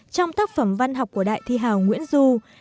trong tác phẩm văn học của đại thi hào nguyễn du